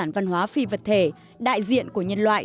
di sản văn hóa phi vật thể đại diện của nhân loại